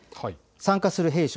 参加する兵士